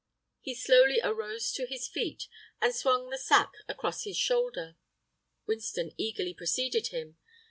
He slowly arose to his feet and swung the sack across his shoulder. Winston eagerly preceded him.